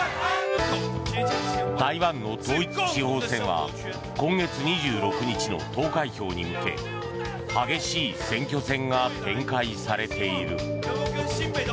台湾の統一地方選は今月２６日の投開票に向け激しい選挙戦が展開されている。